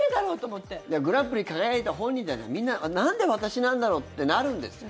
グランプリに輝いた本人たちは、みんななんで私なんだろうってなるんですよ。